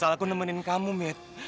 salah aku nemenin kamu mit